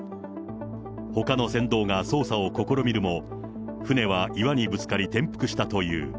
ほかの船頭が操作を試みるも、船は岩にぶつかり転覆したという。